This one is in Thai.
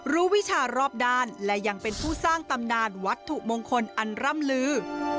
วิชารอบด้านและยังเป็นผู้สร้างตำนานวัตถุมงคลอันร่ำลือ